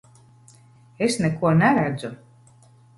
Es neko neredzu!